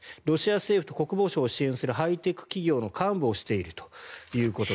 ロシア政府と国防省を支援するハイテク企業の幹部をしていると。